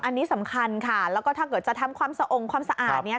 อันนี้สำคัญค่ะแล้วก็ถ้าเกิดจะทำความสะองความสะอาดเนี่ย